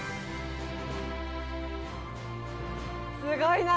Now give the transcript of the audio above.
すごいな！